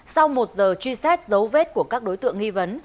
sau một giờ truy xét dấu vết của các đối tượng nghi vấn